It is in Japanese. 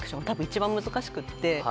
多分、一番難しくて。